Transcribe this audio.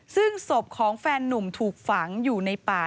ซึ่งศพของแฟนนุ่มถูกฝังอยู่ในป่า